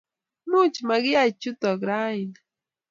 Much makiyai kuchotok raini